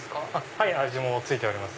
味も付いております。